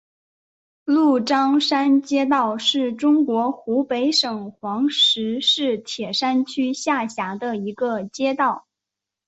鹿獐山街道是中国湖北省黄石市铁山区下辖的一个街道。